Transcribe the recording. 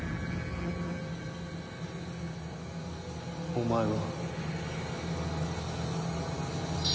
お前は。